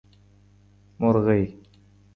مرغۍ 🐦